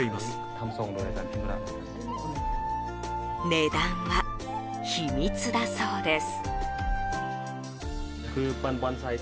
値段は秘密だそうです。